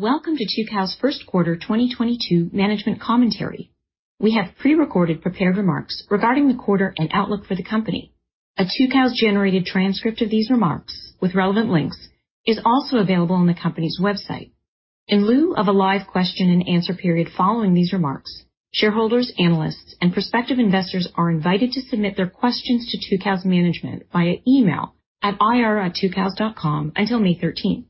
Welcome to Tucows' first quarter 2022 management commentary. We have pre-recorded prepared remarks regarding the quarter and outlook for the company. A Tucows-generated transcript of these remarks with relevant links is also available on the company's website. In lieu of a live question-and-answer period following these remarks, shareholders, analysts, and prospective investors are invited to submit their questions to Tucows Management via e-mail at ir@tucows.com until May 13.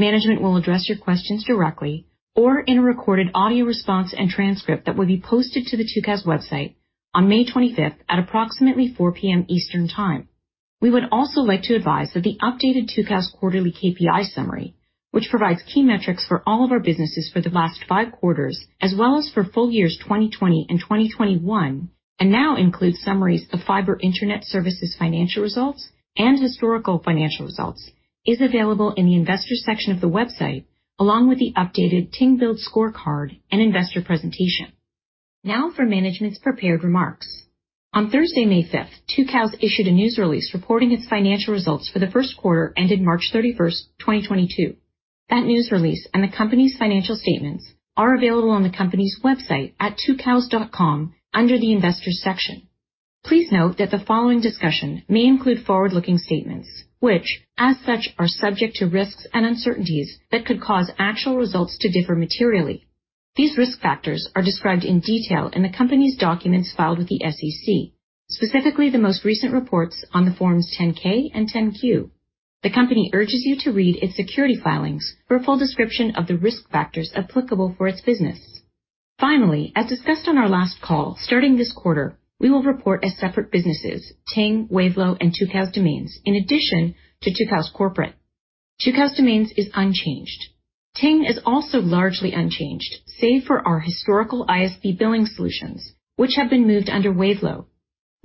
Management will address your questions directly or in a recorded audio response and transcript that will be posted to the Tucows website on May 25 at approximately 4:00 P.M. Eastern Time. We would also like to advise that the updated Tucows quarterly KPI summary, which provides key metrics for all of our businesses for the last five quarters, as well as for full years 2020 and 2021, and now includes summaries of fiber internet services financial results and historical financial results, is available in the Investors section of the website, along with the updated Ting Build Scorecard and investor presentation. Now for management's prepared remarks. On Thursday, May 5, Tucows issued a news release reporting its financial results for the first quarter ended March 31, 2022. That news release and the company's financial statements are available on the company's website at tucows.com under the Investors section. Please note that the following discussion may include forward-looking statements which, as such, are subject to risks and uncertainties that could cause actual results to differ materially. These risk factors are described in detail in the company's documents filed with the SEC, specifically the most recent reports on the Forms 10-K and 10-Q. The company urges you to read its securities filings for a full description of the risk factors applicable for its business. Finally, as discussed on our last call, starting this quarter, we will report as separate businesses, Ting, Wavelo, and Tucows Domains, in addition to Tucows Corporate. Tucows Domains is unchanged. Ting is also largely unchanged, save for our historical ISP billing solutions, which have been moved under Wavelo.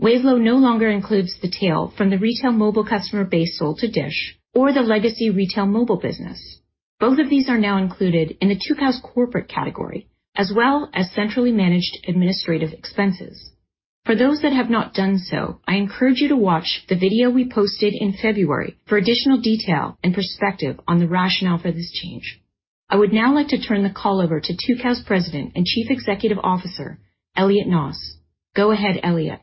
Wavelo no longer includes the tail from the retail mobile customer base sold to DISH or the legacy retail mobile business. Both of these are now included in the Tucows Corporate category, as well as centrally managed administrative expenses. For those that have not done so, I encourage you to watch the video we posted in February for additional detail and perspective on the rationale for this change. I would now like to turn the call over to Tucows President and Chief Executive Officer, Elliot Noss. Go ahead, Elliot.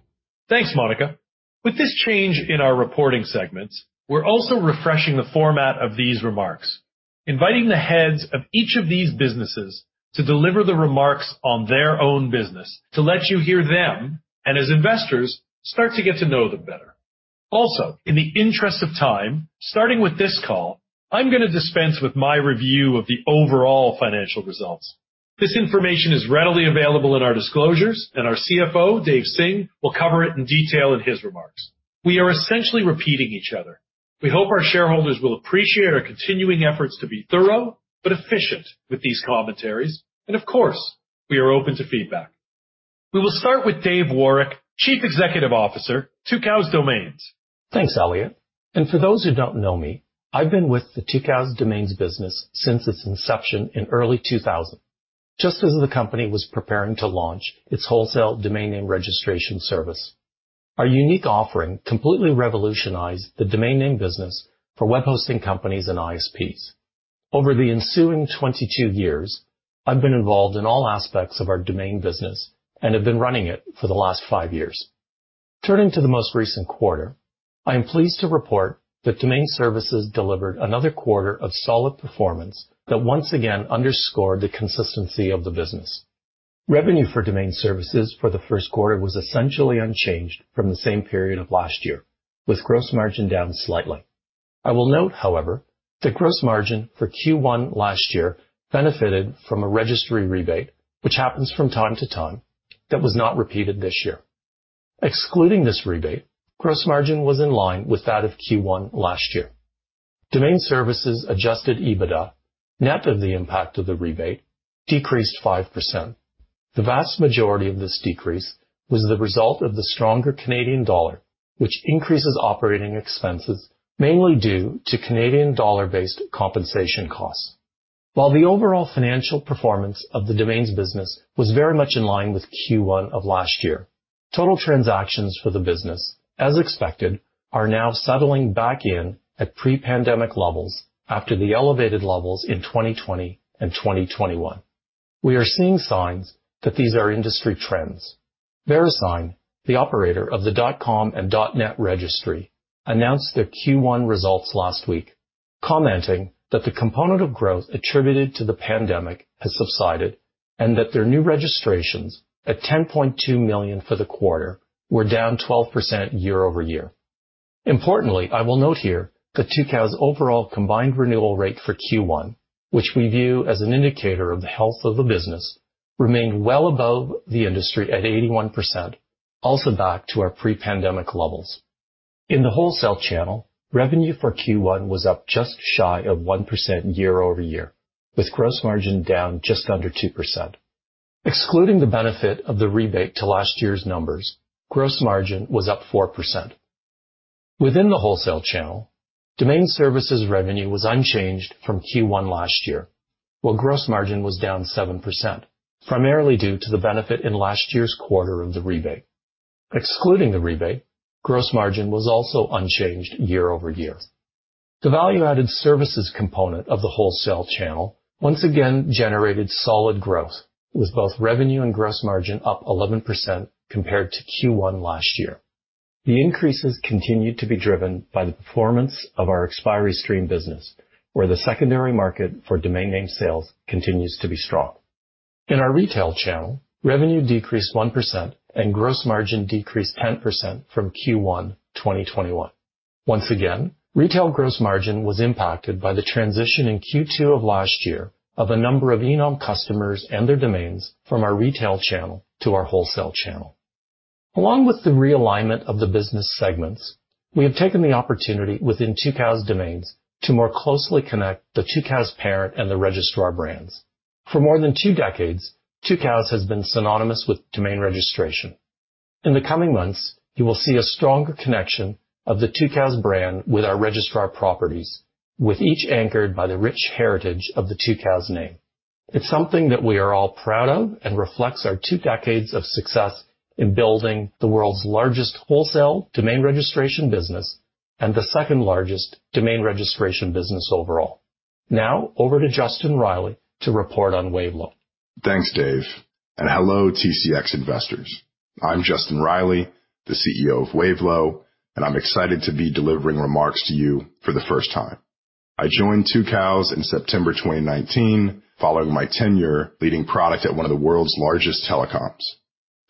Thanks, Monica. With this change in our reporting segments, we're also refreshing the format of these remarks, inviting the heads of each of these businesses to deliver the remarks on their own business, to let you hear them, and as investors start to get to know them better. Also, in the interest of time, starting with this call, I'm gonna dispense with my review of the overall financial results. This information is readily available in our disclosures, and our CFO, Dave Singh, will cover it in detail in his remarks. We are essentially repeating each other. We hope our shareholders will appreciate our continuing efforts to be thorough but efficient with these commentaries. Of course, we are open to feedback. We will start with Dave Woroch, Chief Executive Officer, Tucows Domains. Thanks, Elliot. For those who don't know me, I've been with the Tucows Domains business since its inception in early 2000, just as the company was preparing to launch its wholesale domain name registration service. Our unique offering completely revolutionized the domain name business for web hosting companies and ISPs. Over the ensuing 22 years, I've been involved in all aspects of our domain business and have been running it for the last 5 years. Turning to the most recent quarter, I am pleased to report that Domain Services delivered another quarter of solid performance that once again underscored the consistency of the business. Revenue for Domain Services for the first quarter was essentially unchanged from the same period of last year, with gross margin down slightly. I will note, however, that gross margin for Q1 last year benefited from a registry rebate, which happens from time to time. That was not repeated this year. Excluding this rebate, gross margin was in line with that of Q1 last year. Domain Services adjusted EBITDA, net of the impact of the rebate, decreased 5%. The vast majority of this decrease was the result of the stronger Canadian dollar, which increases operating expenses, mainly due to Canadian dollar-based compensation costs. While the overall financial performance of the Domains business was very much in line with Q1 of last year, total transactions for the business, as expected, are now settling back in at pre-pandemic levels after the elevated levels in 2020 and 2021. We are seeing signs that these are industry trends. Verisign, the operator of the .com and .net registry, announced their Q1 results last week, commenting that the component of growth attributed to the pandemic has subsided and that their new registrations at 10.2 million for the quarter were down 12% year-over-year. Importantly, I will note here that Tucows' overall combined renewal rate for Q1, which we view as an indicator of the health of the business, remained well above the industry at 81%, also back to our pre-pandemic levels. In the wholesale channel, revenue for Q1 was up just shy of 1% year-over-year, with gross margin down just under 2%. Excluding the benefit of the rebate to last year's numbers, gross margin was up 4%. Within the wholesale channel, Domain Services revenue was unchanged from Q1 last year, while gross margin was down 7%, primarily due to the benefit in last year's quarter of the rebate. Excluding the rebate, gross margin was also unchanged year-over-year. The value-added services component of the wholesale channel once again generated solid growth, with both revenue and gross margin up 11% compared to Q1 last year. The increases continued to be driven by the performance of our expiry stream business, where the secondary market for domain name sales continues to be strong. In our retail channel, revenue decreased 1% and gross margin decreased 10% from Q1, 2021. Once again, retail gross margin was impacted by the transition in Q2 of last year of a number of eNom customers and their domains from our retail channel to our wholesale channel. Along with the realignment of the business segments, we have taken the opportunity within Tucows Domains to more closely connect the Tucows parent and the registrar brands. For more than two decades, Tucows has been synonymous with domain registration. In the coming months, you will see a stronger connection of the Tucows brand with our registrar properties, with each anchored by the rich heritage of the Tucows name. It's something that we are all proud of and reflects our two decades of success in building the world's largest wholesale domain registration business and the second-largest domain registration business overall. Now over to Justin Reilly to report on Wavelo. Thanks, Dave, and hello, TCX investors. I'm Justin Reilly, the CEO of Wavelo, and I'm excited to be delivering remarks to you for the first time. I joined Tucows in September 2019 following my tenure leading product at one of the world's largest telecoms.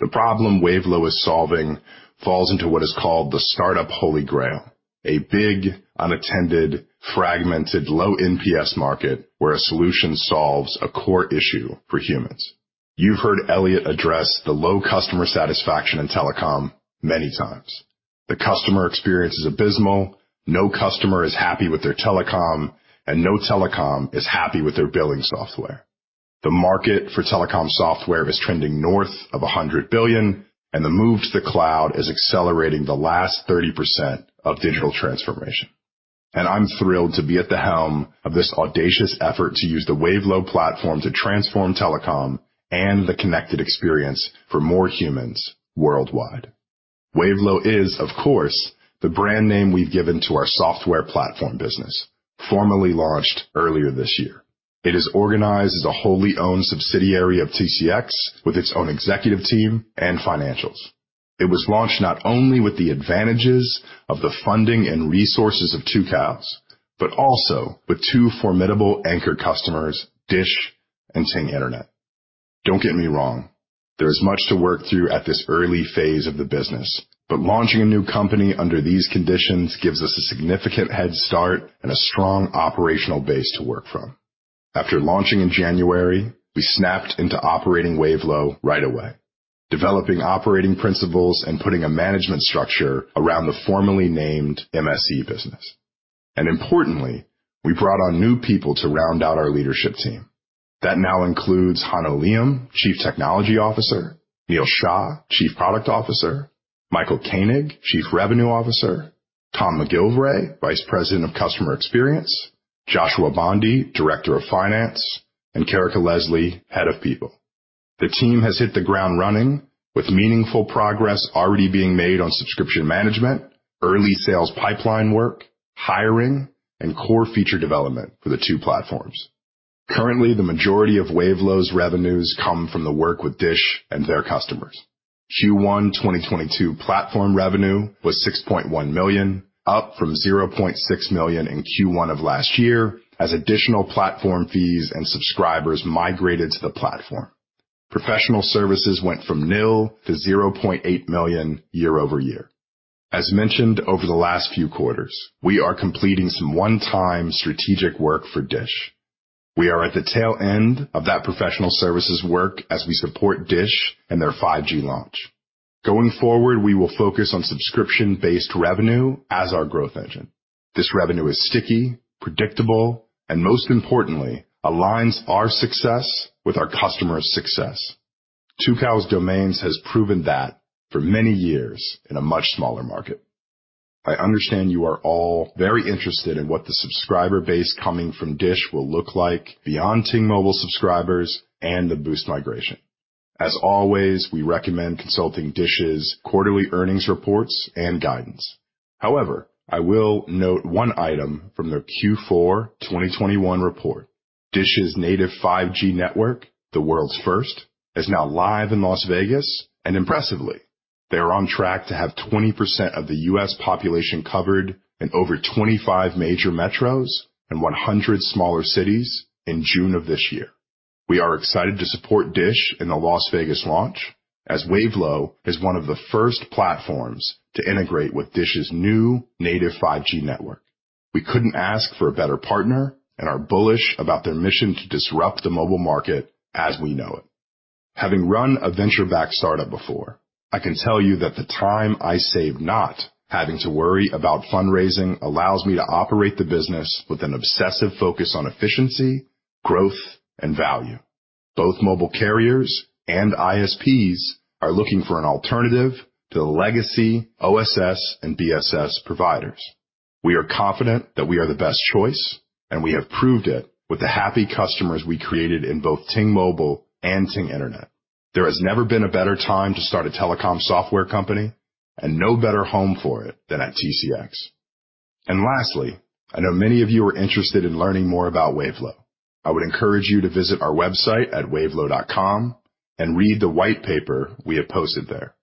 The problem Wavelo is solving falls into what is called the startup Holy Grail, a big unattended, fragmented, low NPS market where a solution solves a core issue for humans. You've heard Elliot address the low customer satisfaction in telecom many times. The customer experience is abysmal. No customer is happy with their telecom and no telecom is happy with their billing software. The market for telecom software is trending north of $100 billion, and the move to the cloud is accelerating the last 30% of digital transformation. I'm thrilled to be at the helm of this audacious effort to use the Wavelo platform to transform telecom and the connected experience for more humans worldwide. Wavelo is, of course, the brand name we've given to our software platform business, formally launched earlier this year. It is organized as a wholly owned subsidiary of TCX with its own executive team and financials. It was launched not only with the advantages of the funding and resources of Tucows, but also with two formidable anchor customers, DISH and Ting Internet. Don't get me wrong, there is much to work through at this early phase of the business, launching a new company under these conditions gives us a significant head start and a strong operational base to work from. After launching in January, we snapped into operating Wavelo right away, developing operating principles and putting a management structure around the formerly named MSE business. Importantly, we brought on new people to round out our leadership team. That now includes Hanno Liem, Chief Technology Officer, Neil Shah, Chief Product Officer, Michael Koenig, Chief Revenue Officer, Tom McGillivray, Vice President of Customer Experience, Joshua Bondy, Director of Finance, and Karecha Leslie, Head of People. The team has hit the ground running with meaningful progress already being made on subscription management, early sales pipeline work, hiring, and core feature development for the two platforms. Currently, the majority of Wavelo's revenues come from the work with DISH and their customers. Q1 2022 platform revenue was $6.1 million, up from $0.6 million in Q1 of last year as additional platform fees and subscribers migrated to the platform. Professional services went from nil to $0.8 million year-over-year. As mentioned over the last few quarters, we are completing some one-time strategic work for Dish. We are at the tail end of that professional services work as we support Dish and their 5G launch. Going forward, we will focus on subscription-based revenue as our growth engine. This revenue is sticky, predictable, and most importantly, aligns our success with our customers' success. Tucows Domains has proven that for many years in a much smaller market. I understand you are all very interested in what the subscriber base coming from Dish will look like beyond Ting Mobile subscribers and the Boost migration. As always, we recommend consulting Dish's quarterly earnings reports and guidance. However, I will note one item from their Q4 2021 report. DISH's native 5G network, the world's first, is now live in Las Vegas, and impressively, they are on track to have 20% of the U.S. population covered in over 25 major metros and 100 smaller cities in June of this year. We are excited to support DISH in the Las Vegas launch as Wavelo is one of the first platforms to integrate with DISH's new native 5G network. We couldn't ask for a better partner and are bullish about their mission to disrupt the mobile market as we know it. Having run a venture-backed startup before, I can tell you that the time I save not having to worry about fundraising allows me to operate the business with an obsessive focus on efficiency, growth, and value. Both mobile carriers and ISPs are looking for an alternative to the legacy OSS and BSS providers. We are confident that we are the best choice, and we have proved it with the happy customers we created in both Ting Mobile and Ting Internet. There has never been a better time to start a telecom software company and no better home for it than at TCX. Lastly, I know many of you are interested in learning more about Wavelo. I would encourage you to visit our website at wavelo.com and read the white paper we have posted there.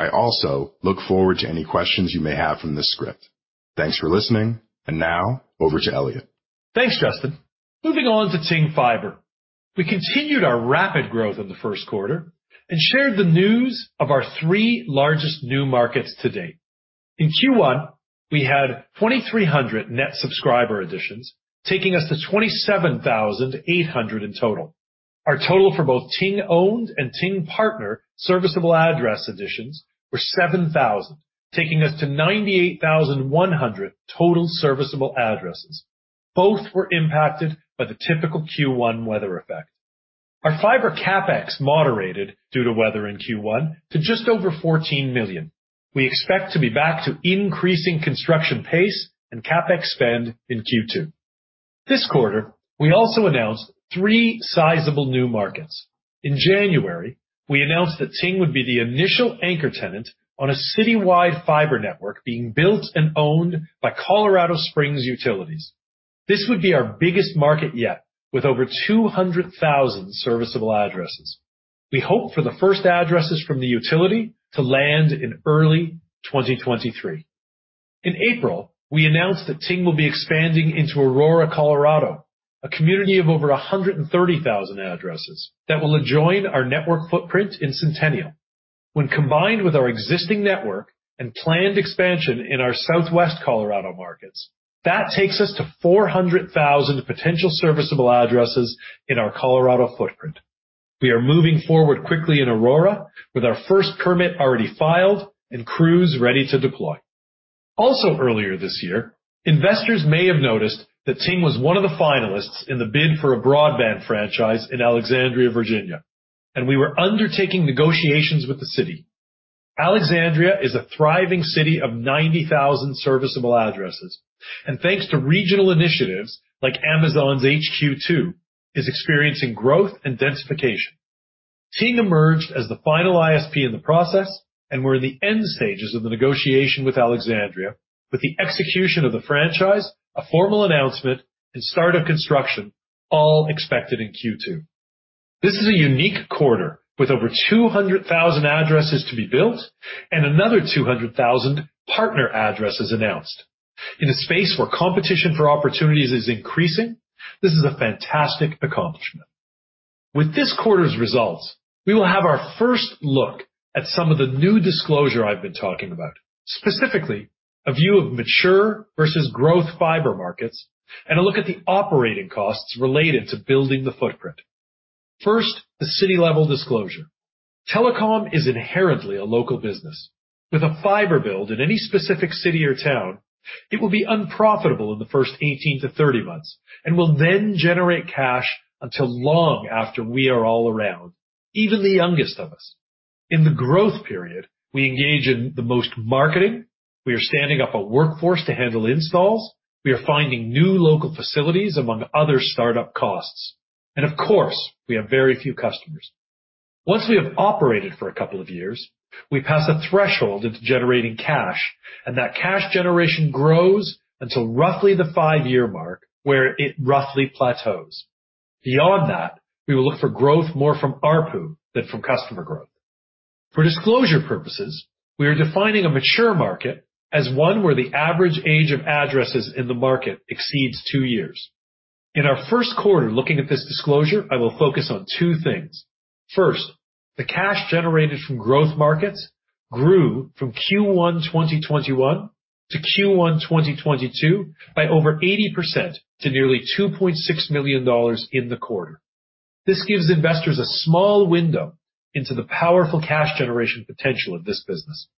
I also look forward to any questions you may have from this script. Thanks for listening. Now over to Elliot. Thanks, Justin. Moving on to Ting Fiber. We continued our rapid growth in the first quarter and shared the news of our three largest new markets to date. In Q1, we had 2,300 net subscriber additions, taking us to 27,800 in total. Our total for both Ting Owned and Ting Partner serviceable address additions were 7,000, taking us to 98,100 total serviceable addresses. Both were impacted by the typical Q1 weather effect. Our fiber CapEx moderated due to weather in Q1 to just over $14 million. We expect to be back to increasing construction pace and CapEx spend in Q2. This quarter, we also announced three sizable new markets. In January, we announced that Ting would be the initial anchor tenant on a city-wide fiber network being built and owned by Colorado Springs Utilities. This would be our biggest market yet with over 200,000 serviceable addresses. We hope for the first addresses from the utility to land in early 2023. In April, we announced that Ting will be expanding into Aurora, Colorado, a community of over 130,000 addresses that will adjoin our network footprint in Centennial. When combined with our existing network and planned expansion in our Southwest Colorado markets, that takes us to 400,000 potential serviceable addresses in our Colorado footprint. We are moving forward quickly in Aurora with our first permit already filed and crews ready to deploy. Also earlier this year, investors may have noticed that Ting was one of the finalists in the bid for a broadband franchise in Alexandria, Virginia, and we were undertaking negotiations with the city. Alexandria is a thriving city of 90,000 serviceable addresses, and thanks to regional initiatives like Amazon's HQ2, is experiencing growth and densification. Ting emerged as the final ISP in the process and we're in the end stages of the negotiation with Alexandria with the execution of the franchise, a formal announcement, and start of construction all expected in Q2. This is a unique quarter with over 200,000 addresses to be built and another 200,000 partner addresses announced. In a space where competition for opportunities is increasing, this is a fantastic accomplishment. With this quarter's results, we will have our first look at some of the new disclosure I've been talking about, specifically, a view of mature versus growth fiber markets and a look at the operating costs related to building the footprint. First, the city level disclosure. Telecom is inherently a local business. With a fiber build in any specific city or town, it will be unprofitable in the first 18-30 months and will then generate cash until long after we are all around, even the youngest of us. In the growth period, we engage in the most marketing, we are standing up a workforce to handle installs, we are finding new local facilities, among other startup costs. Of course, we have very few customers. Once we have operated for a couple of years, we pass a threshold into generating cash, and that cash generation grows until roughly the 5-year mark where it roughly plateaus. Beyond that, we will look for growth more from ARPU than from customer growth. For disclosure purposes, we are defining a mature market as one where the average age of addresses in the market exceeds 2 years. In our first quarter looking at this disclosure, I will focus on two things. First, the cash generated from growth markets grew from Q1 2021 to Q1 2022 by over 80% to nearly $2.6 million in the quarter. This gives investors a small window into the powerful cash generation potential of this business.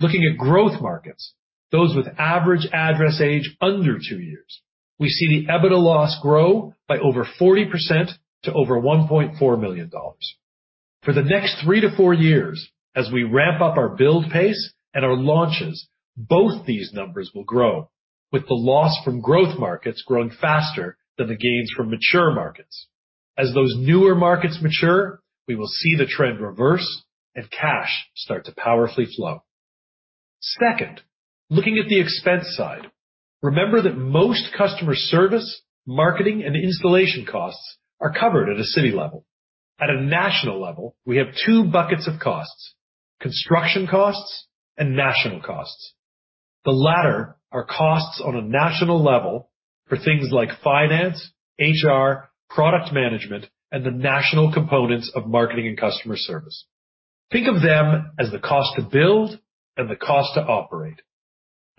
Looking at growth markets, those with average address age under two years, we see the EBITDA loss grow by over 40% to over $1.4 million. For the next three to four years, as we ramp up our build pace and our launches, both these numbers will grow, with the loss from growth markets growing faster than the gains from mature markets. As those newer markets mature, we will see the trend reverse and cash start to powerfully flow. Second, looking at the expense side, remember that most customer service, marketing, and installation costs are covered at a city level. At a national level, we have two buckets of costs, construction costs and national costs. The latter are costs on a national level for things like finance, HR, product management, and the national components of marketing and customer service. Think of them as the cost to build and the cost to operate.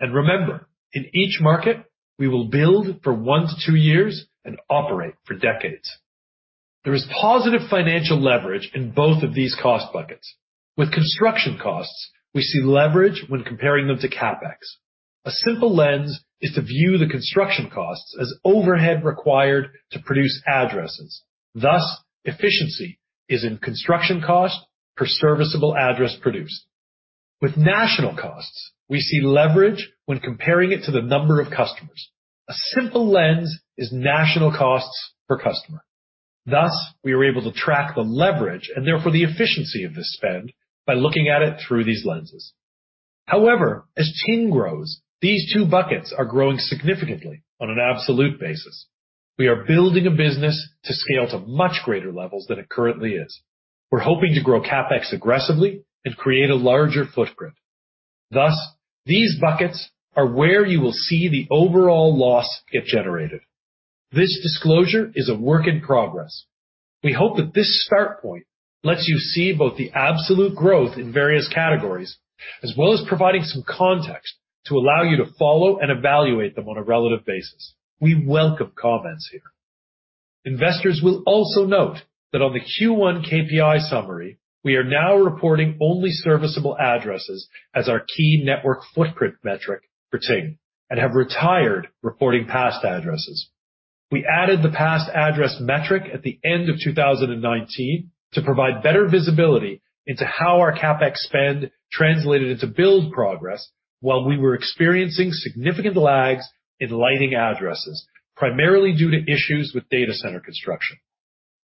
Remember, in each market, we will build for 1-2 years and operate for decades. There is positive financial leverage in both of these cost buckets. With construction costs, we see leverage when comparing them to CapEx. A simple lens is to view the construction costs as overhead required to produce addresses. Thus, efficiency is in construction cost per serviceable address produced. With national costs, we see leverage when comparing it to the number of customers. A simple lens is national costs per customer. Thus, we are able to track the leverage and therefore the efficiency of the spend by looking at it through these lenses. However, as Ting grows, these two buckets are growing significantly on an absolute basis. We are building a business to scale to much greater levels than it currently is. We're hoping to grow CapEx aggressively and create a larger footprint. Thus, these buckets are where you will see the overall loss get generated. This disclosure is a work in progress. We hope that this start point lets you see both the absolute growth in various categories, as well as providing some context to allow you to follow and evaluate them on a relative basis. We welcome comments here. Investors will also note that on the Q1 KPI summary, we are now reporting only serviceable addresses as our key network footprint metric for Ting and have retired reporting past addresses. We added the past address metric at the end of 2019 to provide better visibility into how our CapEx spend translated into build progress while we were experiencing significant lags in lighting addresses, primarily due to issues with data center construction.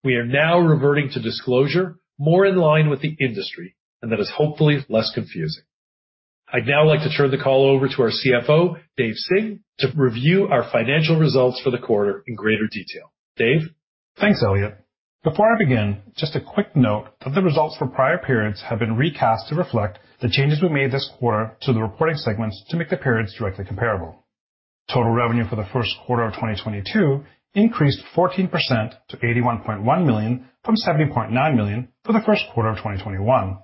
We are now reverting to disclosure more in line with the industry, and that is hopefully less confusing. I'd now like to turn the call over to our CFO, Dave Singh, to review our financial results for the quarter in greater detail. Dave? Thanks, Elliot. Before I begin, just a quick note that the results for prior periods have been recast to reflect the changes we made this quarter to the reporting segments to make the periods directly comparable. Total revenue for the first quarter of 2022 increased 14% to $81.1 million from $70.9 million for the first quarter of 2021.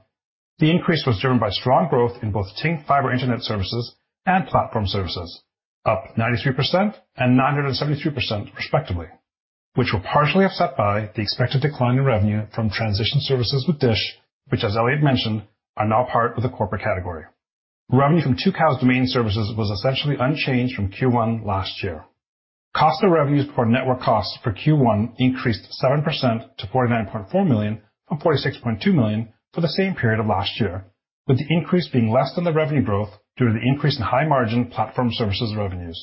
The increase was driven by strong growth in both Ting fiber internet services and platform services, up 93% and 973% respectively, which were partially offset by the expected decline in revenue from transition services with DISH, which as Elliot mentioned, are now part of the corporate category. Revenue from Tucows's domain services was essentially unchanged from Q1 last year. Cost of revenues before network costs for Q1 increased 7% to $49.4 million from $46.2 million for the same period of last year, with the increase being less than the revenue growth due to the increase in high-margin platform services revenues.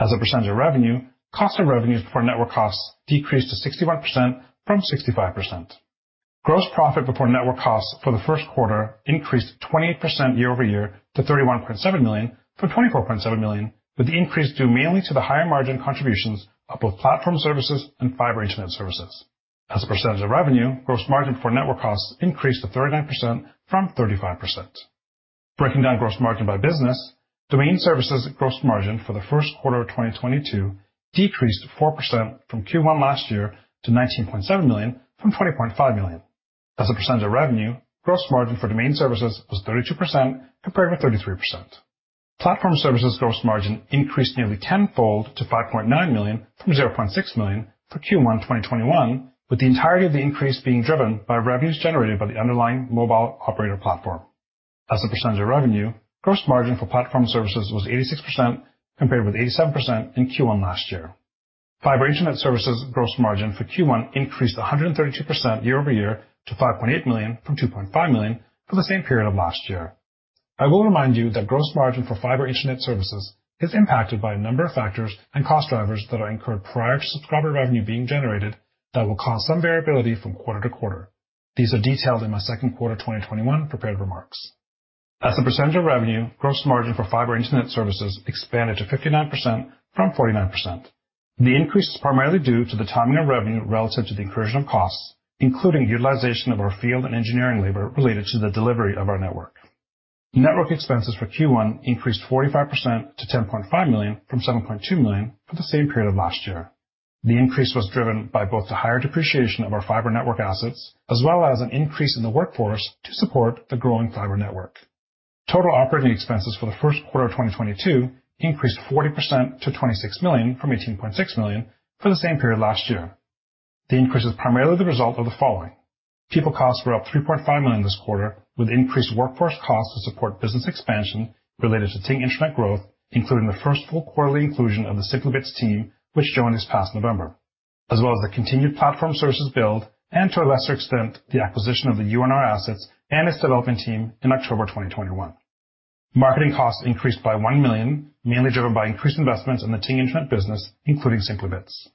As a percentage of revenue, cost of revenues before network costs decreased to 61% from 65%. Gross profit before network costs for the first quarter increased 28% year-over-year to $31.7 million from $24.7 million, with the increase due mainly to the higher margin contributions of both platform services and fiber internet services. As a percentage of revenue, gross margin before network costs increased to 39% from 35%. Breaking down gross margin by business, domain services gross margin for the first quarter of 2022 decreased 4% from Q1 last year to $19.7 million from $20.5 million. As a percentage of revenue, gross margin for domain services was 32% compared with 33%. Platform services gross margin increased nearly tenfold to $5.9 million from $0.6 million for Q1 2021, with the entirety of the increase being driven by revenues generated by the underlying mobile operator platform. As a percentage of revenue, gross margin for platform services was 86% compared with 87% in Q1 last year. Fiber internet services gross margin for Q1 increased 132% year over year to $5.8 million from $2.5 million for the same period of last year. I will remind you that gross margin for fiber internet services is impacted by a number of factors and cost drivers that are incurred prior to subscriber revenue being generated that will cause some variability from quarter to quarter. These are detailed in my Q2 2021 prepared remarks. As a percentage of revenue, gross margin for fiber internet services expanded to 59% from 49%. The increase is primarily due to the timing of revenue relative to the incurrence of costs, including utilization of our field and engineering labor related to the delivery of our network. Network expenses for Q1 increased 45% to $10.5 million from $7.2 million for the same period of last year. The increase was driven by both the higher depreciation of our fiber network assets as well as an increase in the workforce to support the growing fiber network. Total operating expenses for the first quarter of 2022 increased 40% to $26 million from $18.6 million for the same period last year. The increase is primarily the result of the following. People costs were up $3.5 million this quarter, with increased workforce costs to support business expansion related to Ting Internet growth, including the first full quarterly inclusion of the Simply Bits team, which joined this past November, as well as the continued platform services build, and to a lesser extent, the acquisition of the UNR assets and its development team in October 2021. Marketing costs increased by $1 million, mainly driven by increased investments in the Ting Internet business, including Simply Bits.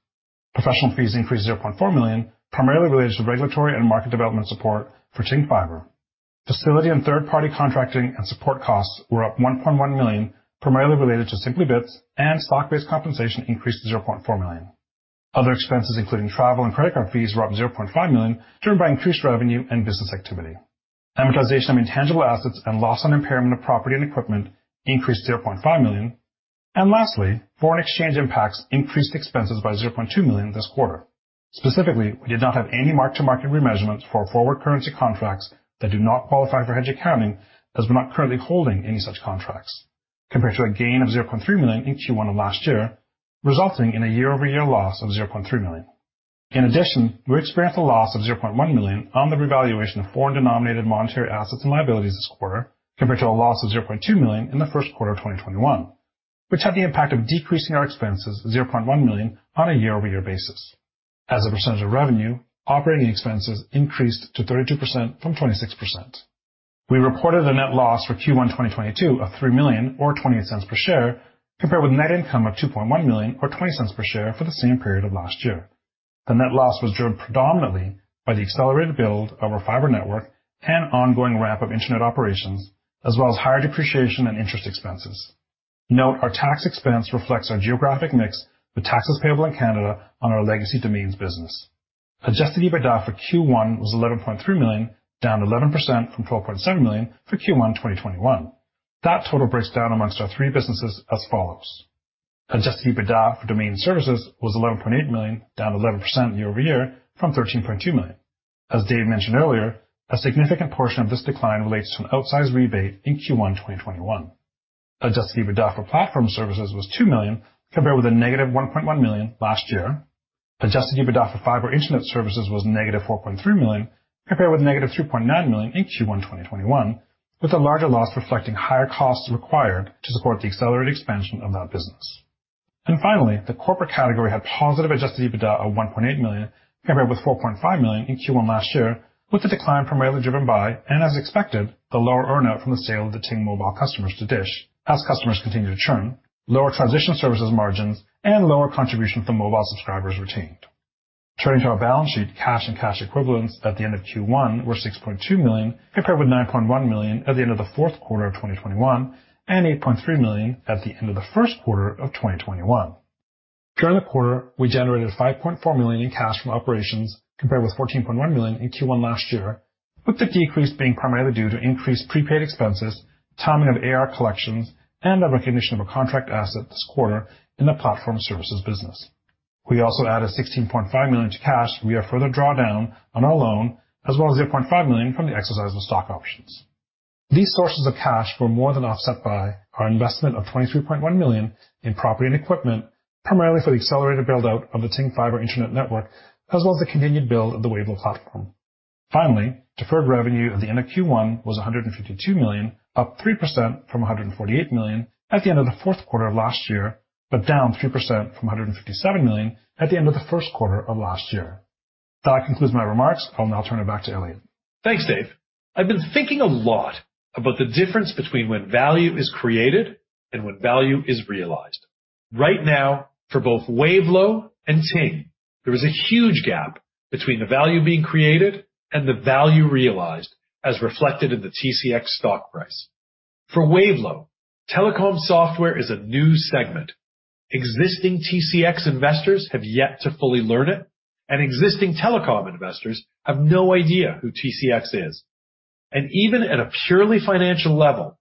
Professional fees increased $0.4 million, primarily related to regulatory and market development support for Ting Fiber. Facility and third-party contracting and support costs were up $1.1 million, primarily related to Simply Bits, and stock-based compensation increased to $0.4 million. Other expenses, including travel and credit card fees, were up $0.5 million, driven by increased revenue and business activity. Amortization of intangible assets and loss on impairment of property and equipment increased $0.5 million. Lastly, foreign exchange impacts increased expenses by $0.2 million this quarter. Specifically, we did not have any mark-to-market remeasurements for forward currency contracts that do not qualify for hedge accounting, as we're not currently holding any such contracts, compared to a gain of $0.3 million in Q1 of last year, resulting in a year-over-year loss of $0.3 million. In addition, we experienced a loss of $0.1 million on the revaluation of foreign-denominated monetary assets and liabilities this quarter compared to a loss of $0.2 million in the first quarter of 2021. Which had the impact of decreasing our expenses $0.1 million on a year-over-year basis. As a percentage of revenue, operating expenses increased to 32% from 26%. We reported a net loss for Q1 2022 of $3 million or $0.20 per share, compared with net income of $2.1 million or $0.20 per share for the same period of last year. The net loss was driven predominantly by the accelerated build of our fiber network and ongoing ramp of internet operations, as well as higher depreciation and interest expenses. Note, our tax expense reflects our geographic mix with taxes payable in Canada on our legacy Domains business. Adjusted EBITDA for Q1 was $11.3 million, down 11% from $12.7 million for Q1 2021. That total breaks down amongst our three businesses as follows: Adjusted EBITDA for Domain Services was $11.8 million, down 11% year-over-year from $13.2 million. As Dave mentioned earlier, a significant portion of this decline relates to an outsized rebate in Q1 2021. Adjusted EBITDA for Platform Services was $2 million, compared with -$1.1 million last year. Adjusted EBITDA for Fiber Internet Services was -$4.3 million, compared with -$3.9 million in Q1 2021, with a larger loss reflecting higher costs required to support the accelerated expansion of that business. Finally, the corporate category had positive adjusted EBITDA of $1.8 million, compared with $4.5 million in Q1 last year, with the decline primarily driven by, and as expected, the lower earnout from the sale of the Ting Mobile customers to DISH as customers continue to churn, lower transition services margins, and lower contribution from mobile subscribers retained. Turning to our balance sheet, cash and cash equivalents at the end of Q1 were $6.2 million, compared with $9.1 million at the end of the fourth quarter of 2021 and $8.3 million at the end of the first quarter of 2021. During the quarter, we generated $5.4 million in cash from operations, compared with $14.1 million in Q1 last year, with the decrease being primarily due to increased prepaid expenses, timing of AR collections, and the recognition of a contract asset this quarter in the platform services business. We also added $16.5 million to cash via further drawdown on our loan, as well as $0.5 million from the exercise of stock options. These sources of cash were more than offset by our investment of $23.1 million in property and equipment, primarily for the accelerated buildout of the Ting Fiber internet network, as well as the continued build of the Wavelo platform. Finally, deferred revenue at the end of Q1 was $152 million, up 3% from $148 million at the end of the fourth quarter of last year, but down 3% from $157 million at the end of the first quarter of last year. That concludes my remarks. I'll now turn it back to Elliot. Thanks, Dave. I've been thinking a lot about the difference between when value is created and when value is realized. Right now, for both Wavelo and Ting, there is a huge gap between the value being created and the value realized as reflected in the TCX stock price. For Wavelo, telecom software is a new segment. Existing TCX investors have yet to fully learn it, and existing telecom investors have no idea who TCX is. Even at a purely financial level,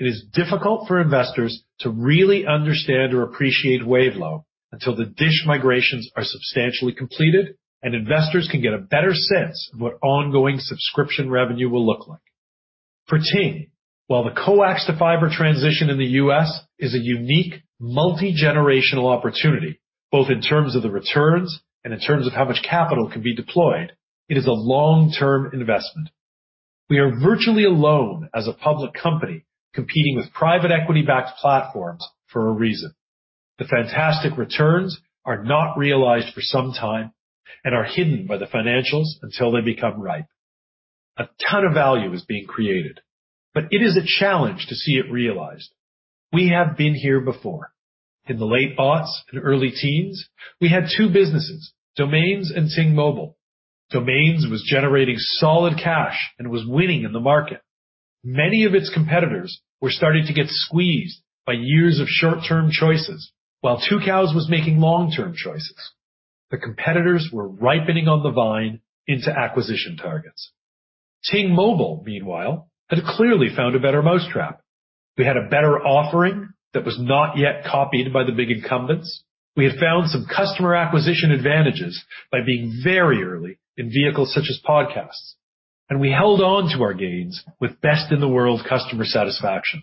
it is difficult for investors to really understand or appreciate Wavelo until the DISH migrations are substantially completed and investors can get a better sense of what ongoing subscription revenue will look like. For Ting, while the coax to fiber transition in the U.S. is a unique multi-generational opportunity, both in terms of the returns and in terms of how much capital can be deployed, it is a long-term investment. We are virtually alone as a public company competing with private equity-backed platforms for a reason. The fantastic returns are not realized for some time and are hidden by the financials until they become ripe. A ton of value is being created, but it is a challenge to see it realized. We have been here before. In the late aughts and early teens, we had two businesses, Domains and Ting Mobile. Domains was generating solid cash and was winning in the market. Many of its competitors were starting to get squeezed by years of short-term choices, while Tucows was making long-term choices. The competitors were ripening on the vine into acquisition targets. Ting Mobile, meanwhile, had clearly found a better mousetrap. We had a better offering that was not yet copied by the big incumbents. We had found some customer acquisition advantages by being very early in vehicles such as podcasts, and we held on to our gains with best-in-the-world customer satisfaction.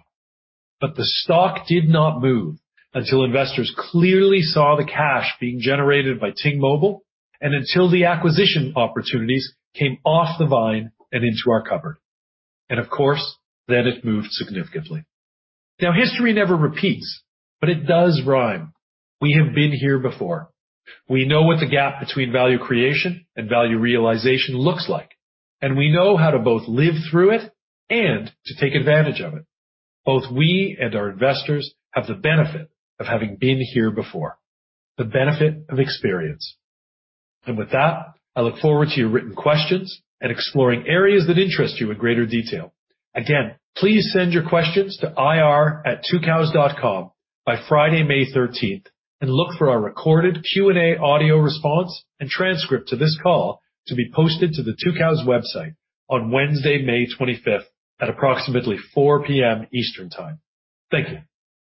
The stock did not move until investors clearly saw the cash being generated by Ting Mobile and until the acquisition opportunities came off the vine and into our cupboard. Of course, then it moved significantly. Now, history never repeats, but it does rhyme. We have been here before. We know what the gap between value creation and value realization looks like, and we know how to both live through it and to take advantage of it. Both we and our investors have the benefit of having been here before, the benefit of experience. With that, I look forward to your written questions and exploring areas that interest you in greater detail. Again, please send your questions to ir@tucows.com by Friday, May 13, and look for our recorded Q&A audio response and transcript to this call to be posted to the Tucows website on Wednesday, May 25 at approximately 4:00 P.M. Eastern Time. Thank you.